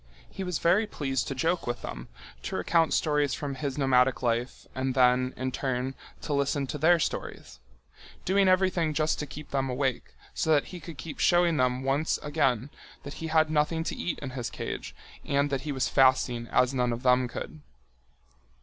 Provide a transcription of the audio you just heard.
He was very pleased to joke with them, to recount stories from his nomadic life and then, in turn, to listen their stories—doing everything just to keep them awake, so that he could keep showing them once again that he had nothing to eat in his cage and that he was fasting as none of them could.